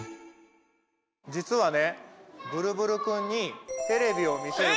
実はね